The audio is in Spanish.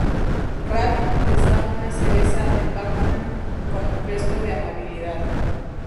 Ralph les da una cereza de "Pac-Man" como gesto de amabilidad.